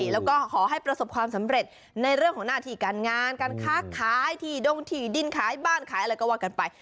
แล้วก็ขอให้ประสบความสำเร็จในเรื่องของหน้าที่การงานการค้าขายที่ดงที่ดินขายบ้านขายอะไรก็ว่ากันไป